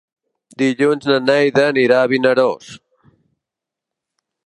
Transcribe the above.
Dilluns na Neida anirà a Vinaròs.